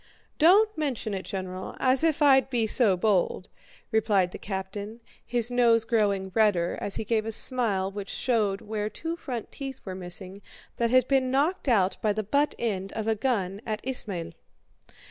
"Don't mention it, General, as if I'd be so bold!" replied the captain, his nose growing redder as he gave a smile which showed where two front teeth were missing that had been knocked out by the butt end of a gun at Ismail.